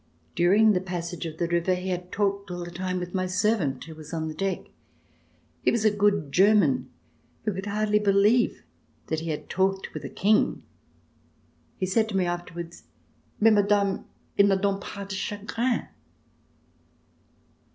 During the passage of the river he had talked all the time with my servant, who was on the deck. He was a good German, who could hardly believe that he had talked with the King. He said to me afterwards: "Mais, Madame, il n'a done pas de chagrin!"